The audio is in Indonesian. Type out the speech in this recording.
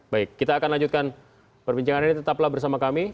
baik kita akan lanjutkan perbincangan ini tetaplah bersama kami